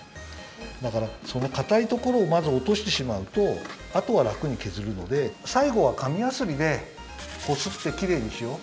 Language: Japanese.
だからそのかたいところをまずおとしてしまうとあとはらくにけずるのでさいごはかみやすりでこすってきれいにしよう！